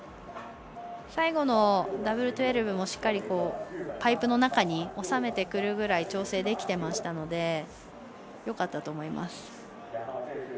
最後のダブル１２６０もしっかりパイプの中に収めてくるぐらい調整できていましたのでよかったと思います。